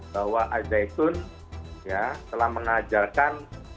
bahwa ajaizun telah mengajarkan